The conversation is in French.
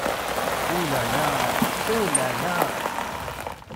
Oh la la ! oh la la !…